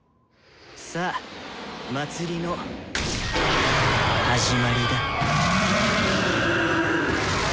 さあ祭りの始まりだ。